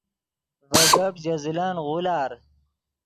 ڤے گپ ژے زلن غولار